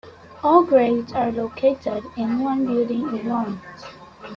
All grades are located in one building in Laurens.